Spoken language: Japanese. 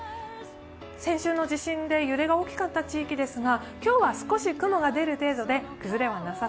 先週の地震で揺れが大きかった地域ですが今日は少し雲が出る程度です。